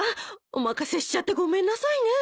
お任せしちゃってごめんなさいね。